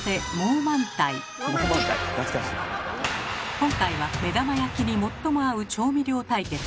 今回は目玉焼きに最も合う調味料対決。